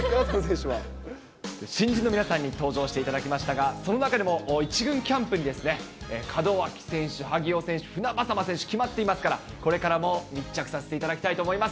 新人の皆さんに登場していただきましたが、その中でも１軍キャンプに門脇選手、萩尾選手、船迫選手、決まってますから、これからも密着させていただきたいと思います。